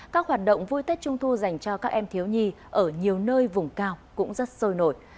các hoạt động vui tết trung thu dành cho các em thiếu nhi ở nhiều nơi vùng cao cũng rất sôi nổi